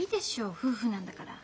夫婦なんだから。